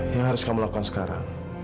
yang harus kamu lakukan sekarang